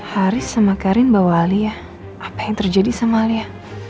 haris sama karin bawa alia apa yang terjadi sama alia